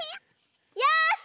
よし！